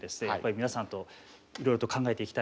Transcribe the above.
皆さんといろいろと考えていきたいと思っています。